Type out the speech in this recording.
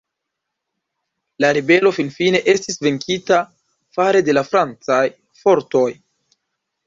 La ribelo finfine estis venkita fare de la Francaj fortoj.